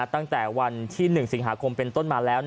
ตั้งแต่วันที่๑สิงหาคมเป็นต้นมาแล้ว